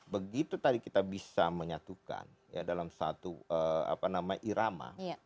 begitu tadi kita bisa menyatukan ya dalam satu apa namanya irama